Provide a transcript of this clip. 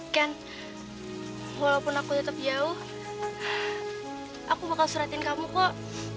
ken walaupun aku tetap jauh aku bakal suratin kamu kok